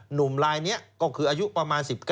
หนุ่มลายนี้ก็คืออายุประมาณ๑๙